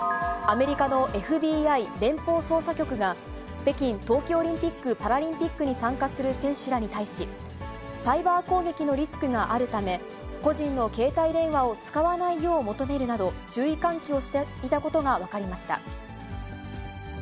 アメリカのＦＢＩ・連邦捜査局が、北京冬季オリンピック・パラリンピックに参加する選手らに対し、サイバー攻撃のリスクがあるため、個人の携帯電話を使わないよう求めるなど、注意喚起をしていたことが分かりました。